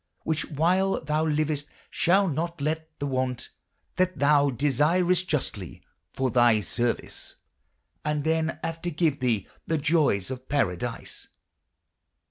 Which whyle thou lyvest shall nat let the want That thou desyrest justly, for thy syrvyce, And than after gyve the, the joyes of Paradyse.